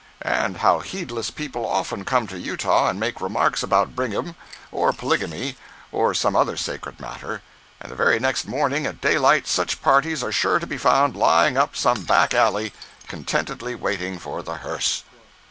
And how heedless people often come to Utah and make remarks about Brigham, or polygamy, or some other sacred matter, and the very next morning at daylight such parties are sure to be found lying up some back alley, contentedly waiting for the hearse.